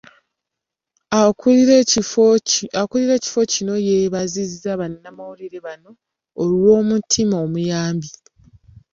Akulira ekifo kino yeebazizza bannamawulire bano olw'omutima omuyambi .